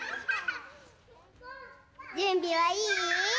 じゅんびはいい？